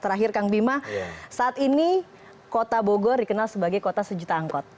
terakhir kang bima saat ini kota bogor dikenal sebagai kota sejuta angkot